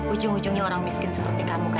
ujung ujungnya orang miskin seperti kamu kan